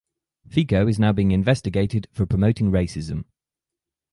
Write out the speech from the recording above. Fico is now being investigated for promoting racism.